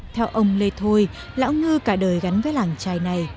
theo ông lê thôi lão ngư cả đời gắn với làng trài này